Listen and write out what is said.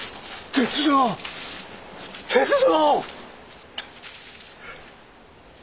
鉄三鉄三。